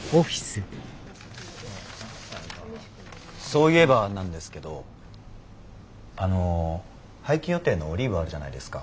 そういえばなんですけどあの廃棄予定のオリーブあるじゃないですか。